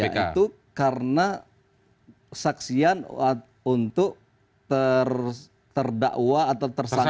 ya itu karena saksian untuk terdakwa atau tersangka